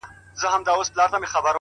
زما د زړه کوچۍ پر سپينه زنه خال وهي!!